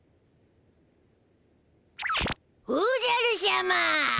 おじゃるしゃま。